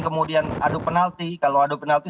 kemudian ada penalti kalau ada penalti